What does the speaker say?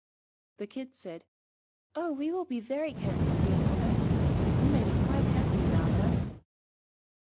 The Kids said, 'Oh, we will be very careful, dear mother. You may be quite happy about us.'